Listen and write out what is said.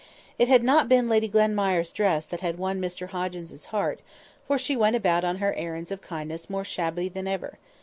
It had not been Lady Glenmire's dress that had won Mr Hoggins's heart, for she went about on her errands of kindness more shabby than ever.